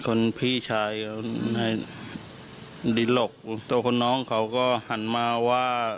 คนพี่ชายเขาให้ดิรกตัวคนน้องเขาก็หันมาว่า